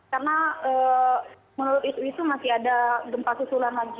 karena menurut ibu itu masih ada gempa susulan lagi